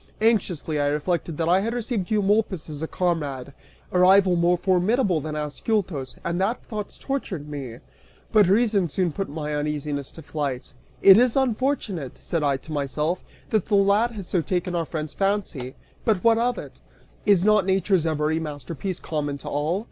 Anxiously I reflected that I had received Eumolpus as a comrade, a rival more formidable than Ascyltos, and that thought tortured me. But reason soon put my uneasiness to flight.) "It is unfortunate," (said I to myself,) "that the lad has so taken our friend's fancy, but what of it? Is not nature's every masterpiece common to all?